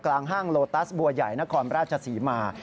ห้างโลตัสบัวใหญ่นครราชศรีมา